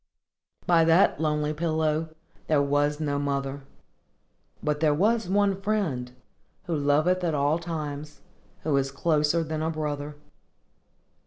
By that lonely pillow there was no mother. But there was one Friend, who loveth at all times, who is closer than a brother.